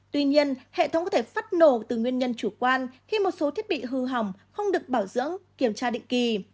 tuy nhiên hệ thống có thể phát nổ từ nguyên nhân chủ quan khi một số thiết bị hư hỏng không được bảo dưỡng kiểm tra định kỳ